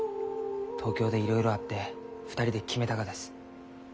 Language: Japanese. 東京でいろいろあって２人で決めたがです。